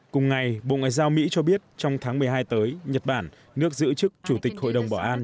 cùng ngày bộ ngoại giao mỹ cho biết trong tháng một mươi hai tới nhật bản nước giữ chức chủ tịch hội đồng bảo an